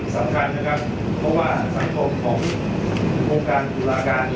สำคัญนะครับเพราะว่าสังคมหลักโมงการผู้หลาการ